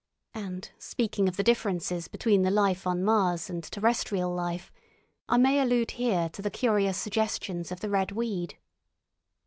And speaking of the differences between the life on Mars and terrestrial life, I may allude here to the curious suggestions of the red weed.